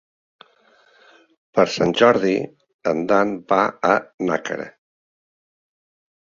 Per Sant Jordi en Dan va a Nàquera.